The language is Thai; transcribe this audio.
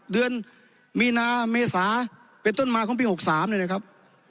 เดือนมีนาเมษาเป็นต้นมาของปี๖๓เนี่ยนะครับ